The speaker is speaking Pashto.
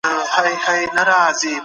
د زړه ناوړه فکرونه نه پالل کېږي.